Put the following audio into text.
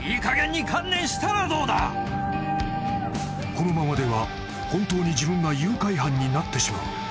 ［このままでは本当に自分が誘拐犯になってしまう］